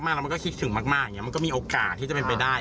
เขารักมากแล้วคิดถึงมากมันก็มีโอกาสที่จะเป็นไปได้